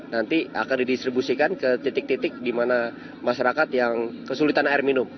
nanti akan didistribusikan ke titik titik di mana masyarakat yang kesulitan air minum